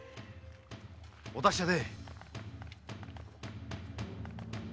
お達者で！